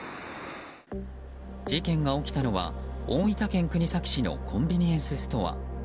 事件が起きたのは大分県国東市のコンビニエンスストア。